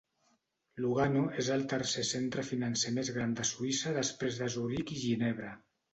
Lugano és el tercer centre financer més gran de Suïssa després de Zuric i Ginebra.